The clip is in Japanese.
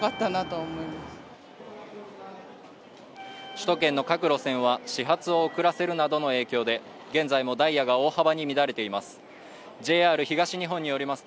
首都圏の各路線は始発を遅らせるなどの影響で現在もダイヤが大幅に乱れています